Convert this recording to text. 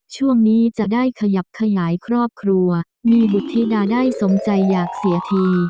ช่วงนี้จะได้ขยับขยายครอบครัวมีบุธิดาได้สมใจอยากเสียที